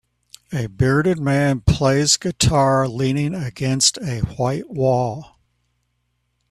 A bearded man plays guitar leaning against a white wall.